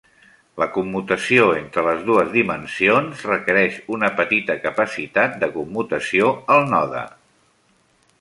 La commutació entre les dues dimensions requereix una petita capacitat de commutació al node.